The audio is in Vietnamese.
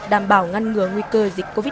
đảm bảo ngăn ngừa nguy cơ dịch covid một mươi